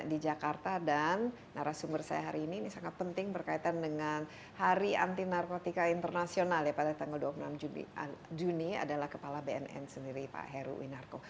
di jakarta dan narasumber saya hari ini ini sangat penting berkaitan dengan hari anti narkotika internasional ya pada tanggal dua puluh enam juni adalah kepala bnn sendiri pak heru winarko